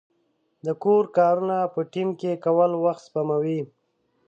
د کور کارونه په ټیم کې کول وخت سپموي.